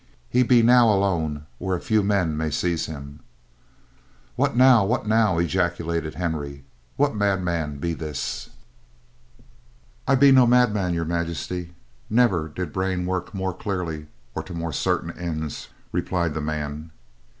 He be now alone where a few men may seize him." "What now! What now!" ejaculated Henry. "What madman be this?" "I be no madman, Your Majesty. Never did brain work more clearly or to more certain ends," replied the man.